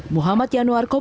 muhammad yanuwa keputi